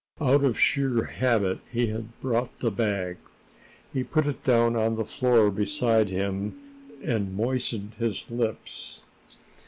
Out of sheer habit he had brought the bag. He put it down on the floor beside him, and moistened his lips.